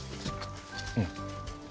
うん。